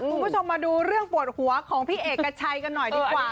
คุณผู้ชมมาดูเรื่องปวดหัวของพี่เอกชัยกันหน่อยดีกว่า